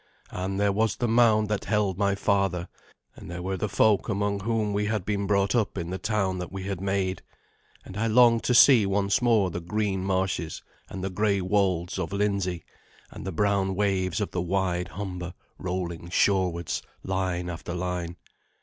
And there was the mound that held my father, and there were the folk among whom we had been brought up in the town that we had made; and I longed to see once more the green marshes and the grey wolds of Lindsey, and the brown waves of the wide Humber rolling shorewards, line after line.